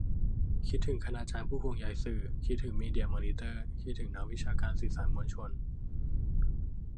คิดถึง 'คณาจารย์ผู้ห่วงใยสื่อ' คิดถึง 'มีเดียมอนิเตอร์' คิดถึง 'นักวิชาการสื่อสารมวลชน'